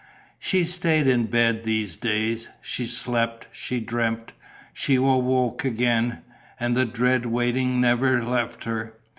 She stayed in bed these days; she slept, she dreamt, she awoke again; and the dread waiting never left her.